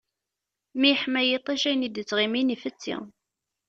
Mi yeḥma yiṭij, ayen i d-ittɣimin ifetti.